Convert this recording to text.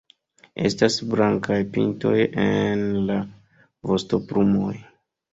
Estas blankaj pintoj en la vostoplumoj.